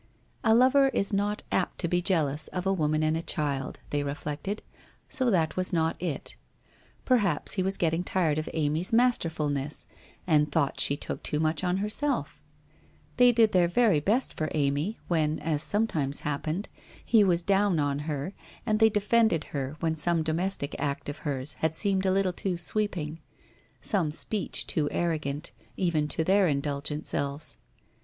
A lover is not apt to be jealous of a woman and a child, they reflected, so that was not it. Perhaps he was getting tired of Amy's masterfulness and thought she took too much on herself ? They did their very best for Amy when, as sometimes happened, he was down on her, they de fended her, when some domestic act of hers had seemed a little too sweeping, some speech too arrogant, even to their indulgent selves.